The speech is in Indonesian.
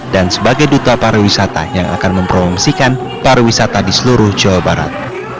dan sebagai duta para wisata yang akan mempromosikan para wisata di seluruh jawa barat